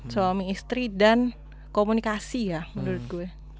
suami istri dan komunikasi ya menurut gue